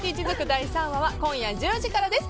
第３話は今夜１０時からです。